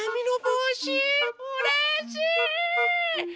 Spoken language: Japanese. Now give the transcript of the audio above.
うれしい！